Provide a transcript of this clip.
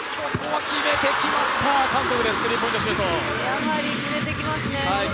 やはり決めてきますね。